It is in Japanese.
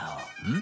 ん？